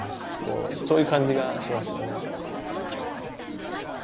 そういう感じがしますよね。